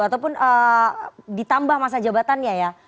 ataupun ditambah masa jabatannya ya